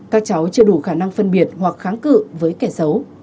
các cháu chưa đủ khả năng phân biệt hoặc kháng cự với kẻ xấu